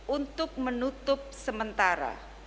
untuk menutup sementara